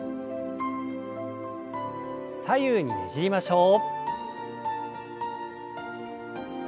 左右にねじりましょう。